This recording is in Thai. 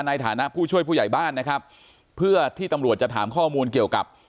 ในฐานะผู้ช่วยผู้ใหญ่บ้านนะครับเพื่อที่ตำรวจจะถามข้อมูลเกี่ยวกับ